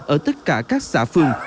ở tất cả các xã phường